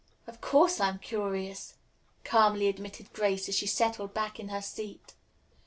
"Of course I'm curious," calmly admitted Grace, as she settled back in her seat.